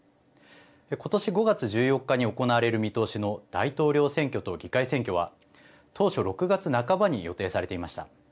今年５月１４日に行われる見通しの大統領選挙と議会選挙は当初６月半ばに予定されていました。